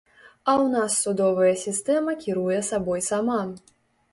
А ў нас судовая сістэма кіруе сабой сама.